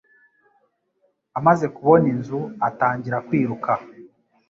Amaze kubona inzu, atangira kwiruka.